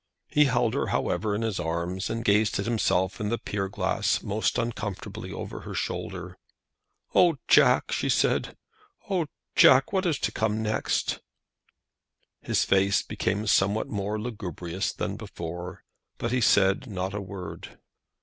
He held her, however, in his arms, and gazed at himself in the pier glass most uncomfortably over her shoulder. "Oh, Jack," she said, "oh, Jack, what is to come next?" His face became somewhat more lugubrious than before, but he said not a word.